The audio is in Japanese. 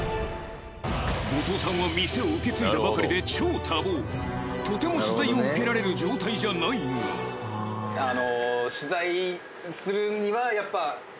後藤さんは店を受け継いだばかりで超多忙とても取材を受けられる状態じゃないがあ。